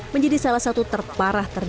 menjadi salah satu terparah terbesar